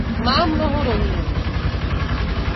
Má mnoho rozměrů.